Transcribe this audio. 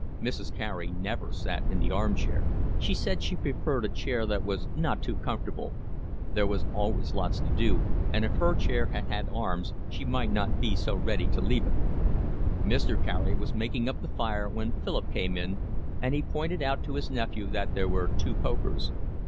Mrs. Carey never sat in the arm chair: she said she preferred a chair that was not too comfortable; there was always a lot to do, and if her chair had had arms she might not be so ready to leave it. Mr. Carey was making up the fire when Philip came in, and he pointed out to his nephew that there were two pokers.